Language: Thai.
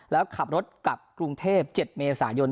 แล้วขับรถกลับกรุงเทพ๗เมษายน